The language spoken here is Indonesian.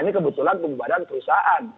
ini kebetulan pemubadan perusahaan